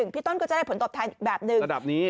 พี่ต้นก็จะได้ผลตอบแทนอีกแบบหนึ่ง